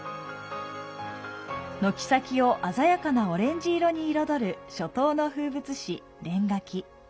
軒先を鮮やかなオレンジ色に彩る初冬の風物詩、連柿。